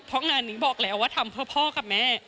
เพราะงานนี้บอกแล้วว่าทำเพื่อพ่อกับแม่